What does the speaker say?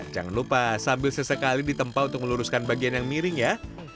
jangan lupa sambil sesekali ditempa untuk meluruskan bagian yang miring ya